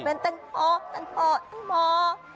เป็นแตงโต๊ะแตงโต๊ะแตงโม